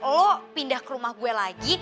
lo pindah ke rumah gue lagi